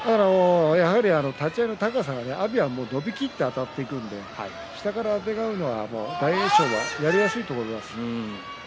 やはり立ち合いの高さは阿炎は伸びきってあたっていくので下からあてがうのは大栄翔はやりやすいと思います。